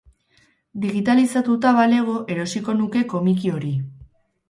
Digitalizatuta balego erosiko nuke komiki hori.